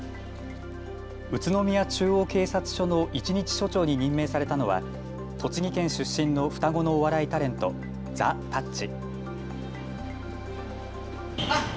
宇都宮中央警察署の一日署長に任命されたのは栃木県出身の双子のお笑いタレント、ザ・たっち。